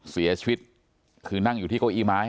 เสียชีวิตคือนั่งอยู่ที่เก้าอี้ไม้